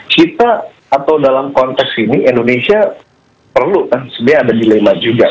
kita atau dalam konteks ini indonesia perlu kan sebenarnya ada dilema juga